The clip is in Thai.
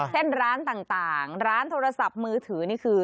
เช่นร้านต่างร้านโทรศัพท์มือถือนี่คือ